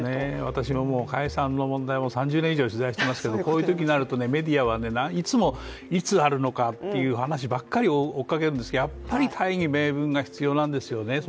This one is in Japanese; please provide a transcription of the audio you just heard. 私ももう、解散の問題も３０年以上取材していますけどこういうときになるとメディアはいつも、いつなるのかという話ばかり追いかけるんですが、やっぱり大義名分が必要なんですよね。